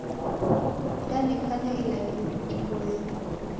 Danekana ilaghiro jiboie.